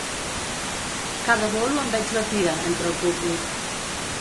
Cada bolo en veig la tira, entre el públic.